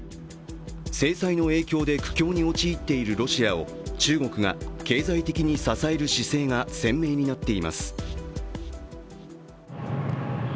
制裁の影響で苦境に陥っているロシアを中国が経済的に支える姿勢が鮮明になっています。